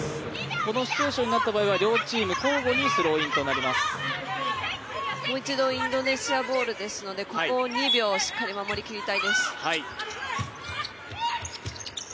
このシチュエーションになった場合は、両チーム交互にもう一度インドネシアボールなのでここ、２秒しっかりと守り切りたいです。